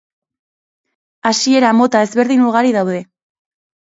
Hasiera mota ezberdin ugari daude.